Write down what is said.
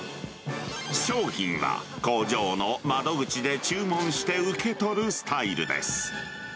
商品は工場の窓口で注文して受け取るスタイルです。